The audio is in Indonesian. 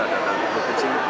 ada dana provinsi